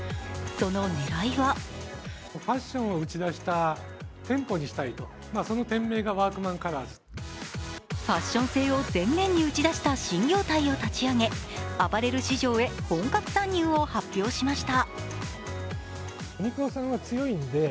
その狙いはファッション性を前面に打ち出した新業態を立ち上げ、アパレル市場へ本格参入を発表しました。